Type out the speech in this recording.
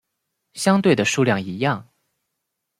相对的数量一样。